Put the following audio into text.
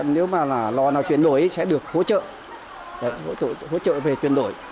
nếu mà lò nào chuyển đổi sẽ được hỗ trợ về chuyển đổi